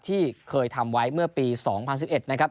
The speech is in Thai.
ที่เคยทำไว้เมื่อปี๒๐๑๑นะครับ